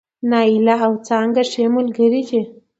نايله او څانګه ښې ملګرې دي